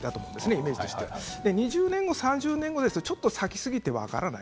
イメージとして２０年後、３０年後ですとちょっと先すぎて分からない。